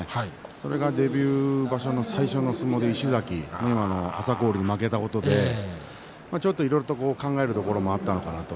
それがデビュー場所の最初の相撲で、石崎今の朝紅龍に負けたことでちょっといろいろ考えるところもあったのかなと。